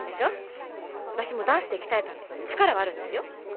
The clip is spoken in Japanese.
私もダンスで鍛えたんで力はあるんですよ。